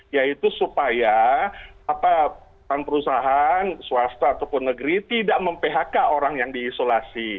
yaitu supaya perusahaan swasta ataupun negeri tidak mem phk orang yang diisolasi